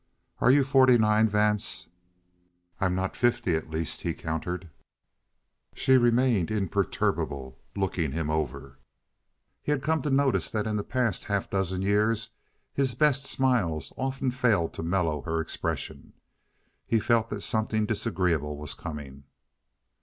"Are you forty nine, Vance?" "I'm not fifty, at least," he countered. She remained imperturbable, looking him over. He had come to notice that in the past half dozen years his best smiles often failed to mellow her expression. He felt that something disagreeable was coming.